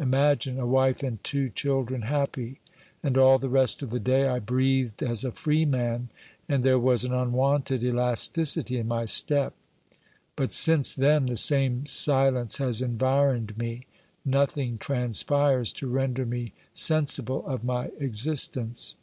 Imagine a wife and two children happy ! and all the rest of the day I breathed as a free man, and there was an unwonted elasticity in my step. But since then the same silence has environed me ; nothing transpires to render me sensible of my existence.